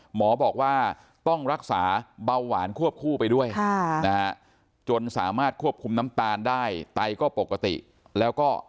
หมอบอกว่าต้องรักษาเบาหวานควบคู่ไปด้วยจนสามารถควบคุมน้ำตาลได้ไตก็ปกติแล้วก็